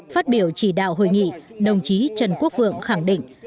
phát biểu chỉ đạo hội nghị đồng chí trần quốc vượng khẳng định